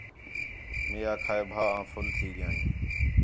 مے آکھا ہے بھا آں فُل تھی ڳِیا ہیں